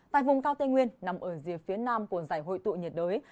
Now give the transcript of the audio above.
tại vùng cao tây nguyên nằm ở rìa phía nam của giải hội tụ nhiệt đới